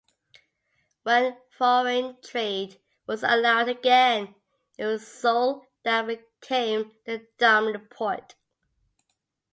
When foreign trade was allowed again, it was Sual that became the dominant port.